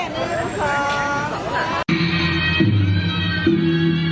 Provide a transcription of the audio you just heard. สุดท้ายสุดท้ายสุดท้าย